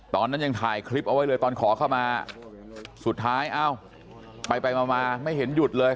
ตอนนั้นยังถ่ายคลิปเอาไว้เลยตอนขอเข้ามาสุดท้ายเอ้าไปไปมามาไม่เห็นหยุดเลย